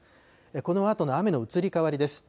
このあとの雨の移り変わりです。